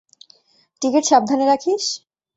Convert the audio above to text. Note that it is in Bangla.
টিকেট সাবধানে রাখিস?